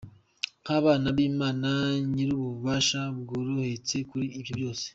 Nk’abana b’Imana Nyirububasha twabohotse kuri ibyo byose.